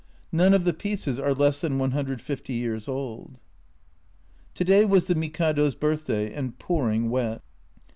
None of the pieces are less than 150 years old. To day was the Mikado's birthday, and pouring wet